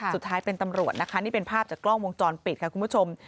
สุดท้ายเป็นตำรวจนะคะนี่เป็นภาพจากกล้องวงจรปิดค่ะคุณผู้ชม